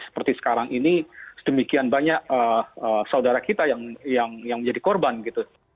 seperti sekarang ini sedemikian banyak saudara kita yang menjadi korban gitu